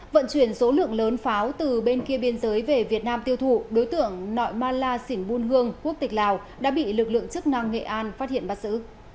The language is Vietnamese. vận chuyển số lượng lớn pháo từ bên kia biên giới về việt nam tiêu thụ đối tượng nội mala sỉnh buôn hương quốc tịch lào đã bị lực lượng chức năng nghệ an phát hiện bắt xử